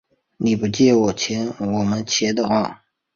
你不借我们钱的话